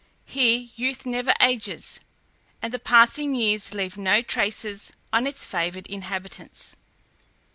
Here youth never ages, and the passing years leave no traces on its favoured inhabitants.